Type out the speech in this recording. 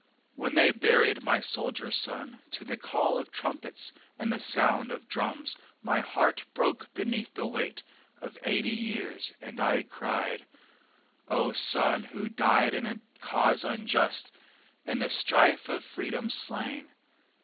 When they buried my soldier son To the call of trumpets and the sound of drums My heart broke beneath the weight Of eighty years, and I cried: "Oh, son who died in a cause unjust! In the strife of Freedom slain!"